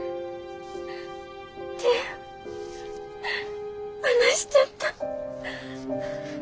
手離しちゃった。